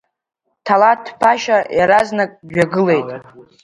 Ҭалаҭ Ԥашьа иаразнак дҩагылт.